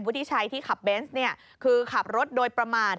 วุฒิชัยที่ขับเบนซคือขับรถโดยประมาณ